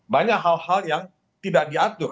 banyak hal hal yang tidak diatur